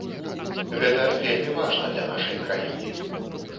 Гэта вельмі важна для нашай краіны.